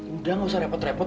udah gak usah repot repot